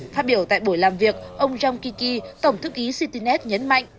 phát biểu tại buổi làm việc ông jong kiki tổng thư ký citynet nhấn mạnh